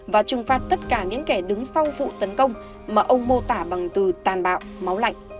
và trừng phạt tất cả những kẻ đứng sau vụ tấn công mà ông mô tả bằng từ tàn bạo máu lạnh